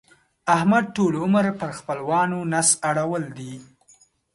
احمد ټول عمر پر خپلوانو نس اړول دی.